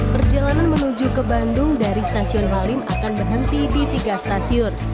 perjalanan menuju ke bandung dari stasiun halim akan berhenti di tiga stasiun